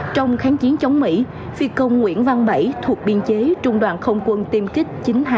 trong kháng chiến chống mỹ phi công nguyễn văn bảy thuộc biên chế trung đoàn không quân tiêm kích chín trăm chín mươi